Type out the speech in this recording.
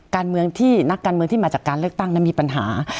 การเมืองที่นักการเมืองที่มาจากการเลือกตั้งนั้นมีปัญหา